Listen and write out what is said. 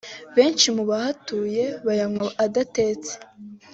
Benshi mu bahatuye bayanywa adatetse